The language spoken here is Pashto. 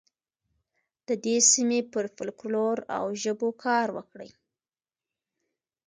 د دې سیمې پر فولکلور او ژبو کار وکړئ.